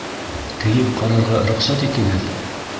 Кейеп ҡарарға рөхсәт итегеҙ